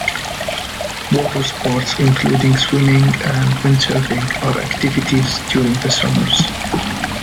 Water sports including swimming and windsurfing are activities during the summer.